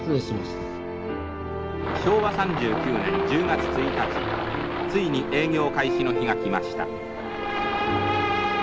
「昭和３９年１０月１日ついに営業開始の日が来ました」。